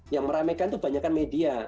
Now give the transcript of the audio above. yang meramaikan tuh banyak media